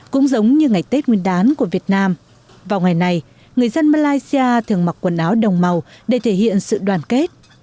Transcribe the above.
cũng giống như ngày tết nguyên đán của việt nam vào ngày này người dân malaysia thường mặc quần áo đồng màu để thể hiện sự đoàn kết